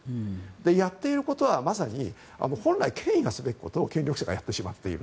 だから、やっていることはまさに、本来、権威がすべきことを権力者がやってしまっている。